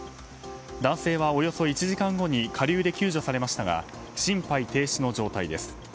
男性はおよそ１時間後に下流で救助されましたが心肺停止の状態です。